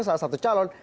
salah satu calon